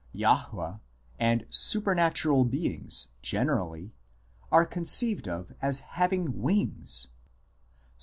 Jahwe, and supernatural beings generally, are conceived of as having wings (Ps.